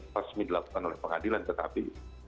resmi dilakukan oleh pengadilan tetapi